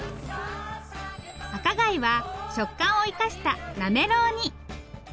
赤貝は食感を生かしたなめろうに。